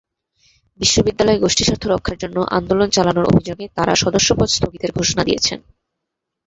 বিশ্ববিদ্যালয়ে গোষ্ঠীস্বার্থ রক্ষার জন্য আন্দোলন চালানোর অভিযোগে তাঁরা সদস্যপদ স্থগিতের ঘোষণা দিয়েছেন।